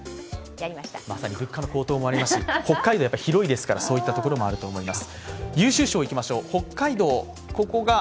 まさに物価の高騰もありますし北海道は広いですからそういったこともあるかと思います。